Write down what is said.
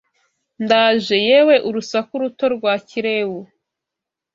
Ndaje, yewe urusaku ruto rwa kirewu